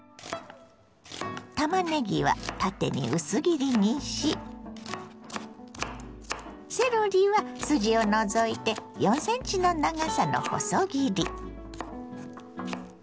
たまねぎは縦に薄切りにしセロリは筋を除いて４ｃｍの長さの細切り。